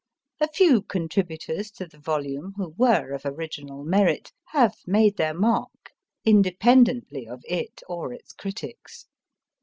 A few contributors to the volume, who were of original merit, have made their mark, independently of it or its critics.